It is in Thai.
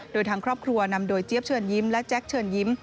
โดยทางครอบครัวนำโดยเจี๊ยบเชิญยิ้มและแจ๊คเชิญยิ้ม